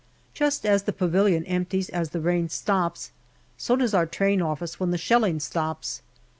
Just as the pavilion empties as the rain stops, so does our Train office when the shelling stops.